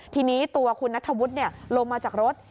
ทีนี้ตัวคุณนัทธวุฒิลงมาจากรถ